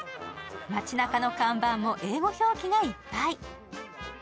街なかの看板も英語表記がいっぱい。